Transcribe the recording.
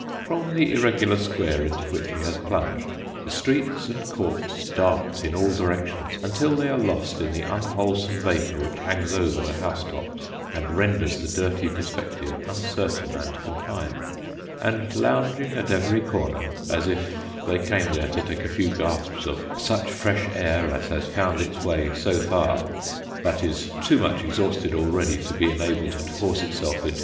From the irregular square into which he has plunged, the streets and courts dart in all directions, until they are lost in the unwholesome vapour which hangs over the house tops, and renders the dirty perspective uncertain and confined ; and lounging at every corner, as if they came there to take a few gasps of such fresh air as has found its way so far, but is too much exhausted already, to be enabled to force itself into 52 Sketches by Boz.